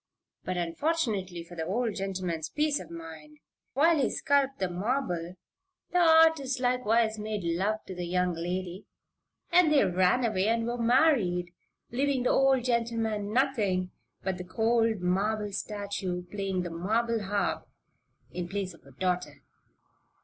But, unfortunately for the old gentleman's peace of mind while he sculped the marble the artist likewise made love to the young lady and they ran away and were married, leaving the old gentleman nothing but the cold marble statue playing the marble harp, in place of a daughter.